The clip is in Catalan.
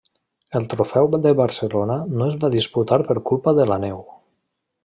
El trofeu de Barcelona no es va disputar per culpa de la neu.